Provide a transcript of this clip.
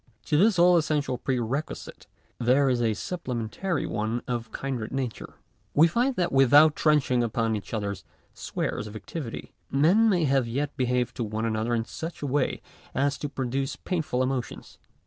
To this all essential pre requisite there is a supplementary one of kindred nature. We find that without trenching upon each other's spheres of activity, men may yet behave to one another in such a way as to produce painful emotions.